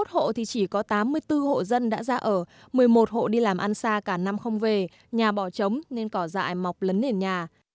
một trăm năm mươi một hộ thì chỉ có tám mươi bốn hộ dân đã ra ở một mươi một hộ đi làm ăn xa cả năm không về nhà bỏ trống nên có dại mọc lấn nền nhà